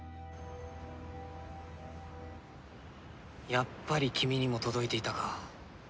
やっぱり君にも届いていたか。